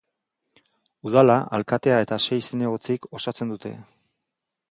Udala alkatea eta sei zinegotzik osatzen dute.